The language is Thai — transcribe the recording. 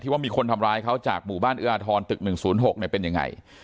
ที่ว่ามีคนทำร้ายเขาจากหมู่บ้านเอื้ออทรตึกหนึ่งศูนย์หกเนี้ยเป็นยังไง